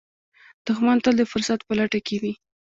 دښمن تل د فرصت په لټه کې وي